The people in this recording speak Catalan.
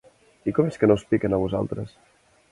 I com és que no us piquen, a vosaltres?